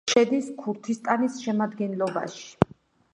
შედის ქურთისტანის შემადგენლობაში.